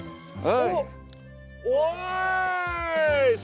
おっ。